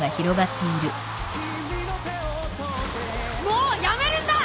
もうやめるんだ！